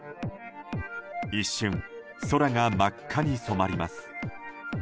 一瞬、空が真っ赤に染まります。